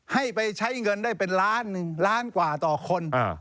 ให้ไปใช้เงินได้เป็นล้าน๑ล้านกว่าต่อคน